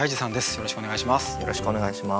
よろしくお願いします。